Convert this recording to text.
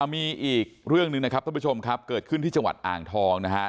มีอีกเรื่องหนึ่งนะครับท่านผู้ชมครับเกิดขึ้นที่จังหวัดอ่างทองนะฮะ